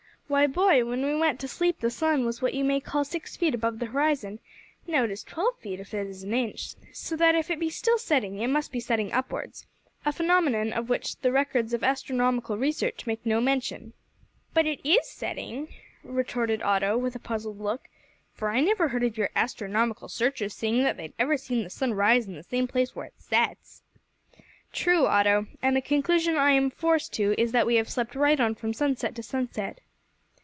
"Why, boy, when we went to sleep the sun was what you may call six feet above the horizon; now it is twelve feet if it is an inch, so that if it be still setting, it must be setting upwards a phenomenon of which the records of astronomical research make no mention." "But it is setting?" retorted Otto, with a puzzled look, "for I never heard of your astronomical searchers saying that they'd ever seen the sun rise in the same place where it sets." "True, Otto, and the conclusion I am forced to is that we have slept right on from sunset to sunset."